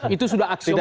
itu sudah aksi